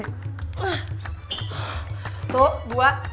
satu dua tiga